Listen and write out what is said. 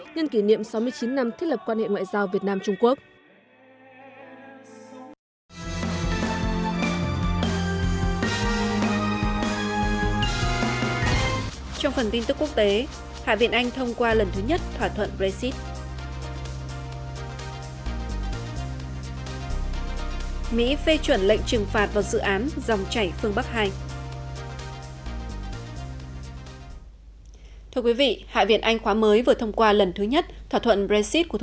nhân kỷ niệm sáu mươi chín năm thiết lập quan hệ ngoại giao việt nam trung quốc